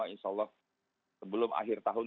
insya allah sebelum akhir tahun